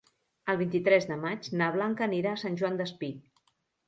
El vint-i-tres de maig na Blanca anirà a Sant Joan Despí.